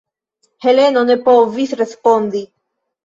Heleno ne povis respondi.